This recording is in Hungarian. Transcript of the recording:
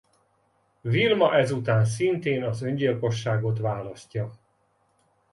Vilma ezután szintén az öngyilkosságot választja.